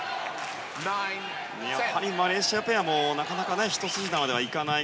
やはりマレーシアペアもなかなかひと筋縄ではいかない。